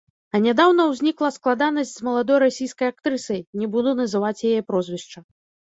А нядаўна ўзнікла складанасць з маладой расійскай актрысай, не буду называць яе прозвішча.